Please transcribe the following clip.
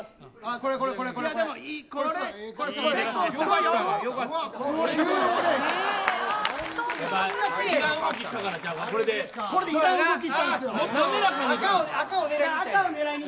これでいらん動きしたんですよ。